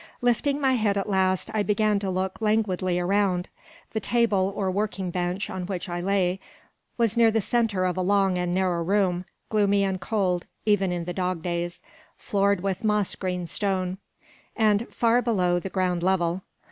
Lifting my head at last, I began to look languidly around. The table, or working bench, on which I lay, was near the centre of a long and narrow room, gloomy and cold, even in the dog days, floored with moss green stone, and far below the ground level.